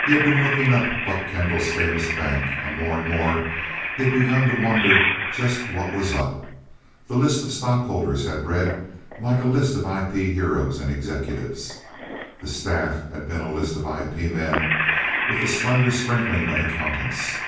He had been looking up Buck Kendall's famous bank, and more and more he had begun to wonder just what was up. The list of stockholders had read like a list of IP heroes and executives. The staff had been a list of IP men with a slender sprinkling of accountants.